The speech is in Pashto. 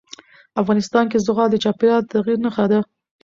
افغانستان کې زغال د چاپېریال د تغیر نښه ده.